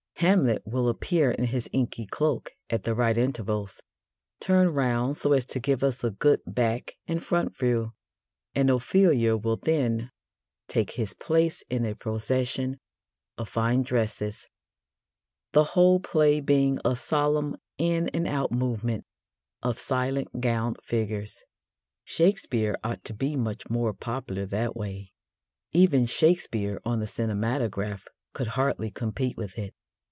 Hamlet will appear in his inky cloak at the right intervals, turn round so as to give us a good back and front view, and Ophelia will then take his place in a procession of fine dresses, the whole play being a solemn in and out movement of silent gowned figures. Shakespeare ought to be much more popular that way. Even Shakespeare on the cinematograph could hardly compete with it.